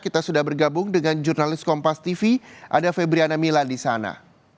kita sudah bergabung dengan jurnalis kompas tv ada febriana mila di sana